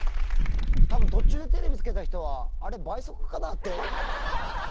たぶん、途中でテレビつけた人はあれ、倍速かなって。